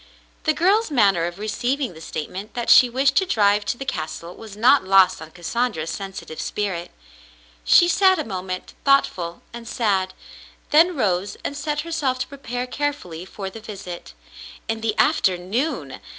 The girl's manner of receiving the statement that she wished to drive to the castle was not lost on Cassandra's sensitive spirit. She sat a moment, thoughtful and sad, then rose and set herself to prepare carefully for the visit. In the afternoon